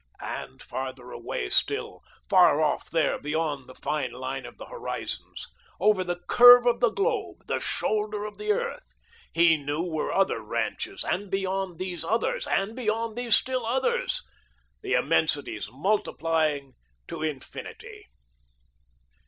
And farther away still, far off there beyond the fine line of the horizons, over the curve of the globe, the shoulder of the earth, he knew were other ranches, and beyond these others, and beyond these still others, the immensities multiplying to infinity.